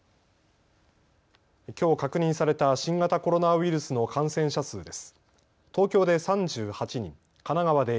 きょう確認された新型コロナウイルスの感染者数です。